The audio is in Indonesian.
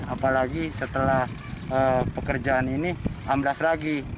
apalagi setelah pekerjaan ini amblas lagi